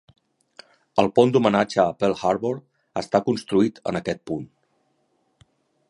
El pont d'homenatge a Pearl Harbor està construït en aquest punt.